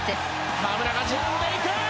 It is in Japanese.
河村が自分でいく！